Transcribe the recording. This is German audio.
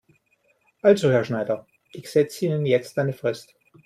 Also Herr Schneider, ich setze Ihnen jetzt eine Frist.